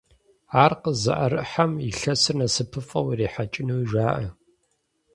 Ар къызыӀэрыхьэм илъэсыр насыпыфӀэу ирихьэкӀынуи жаӀэ.